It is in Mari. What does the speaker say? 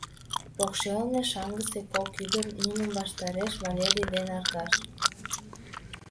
Покшелне шаҥгысе кок ӱдыр, нунын ваштареш Валерий ден Аркаш.